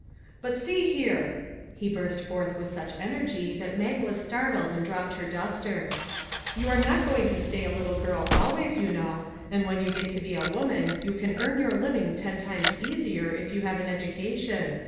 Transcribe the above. " But, see here !" he burst forth with such energy that Mag was startled and dropped her duster. " You are not going to stay a little girl always, you know ; and when you get to be a woman you can earn your living ten times easier if you have an education.